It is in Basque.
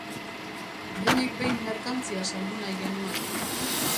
Behinik behin merkantzia saldu nahi genuen.